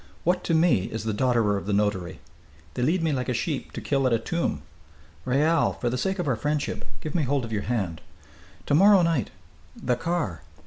What, to me, is the daughter of the notary? They lead me like a sheep to kill at a tomb.... Raoul, for the sake of our friendship, give me hold of your hand. To morrow night the car!